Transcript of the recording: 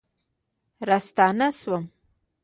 راستنه شوم